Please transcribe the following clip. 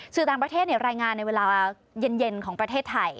สื่อต่างประเทศรายงานในเวลาเย็นของประเทศไทย